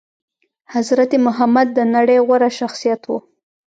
حضرت محمد د نړي غوره شخصيت وو